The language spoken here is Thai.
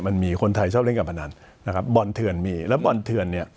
มันมีคนไทยชอบเล่นการพนันนะครับบอลเถื่อนมีแล้วบอลเถื่อนเนี่ย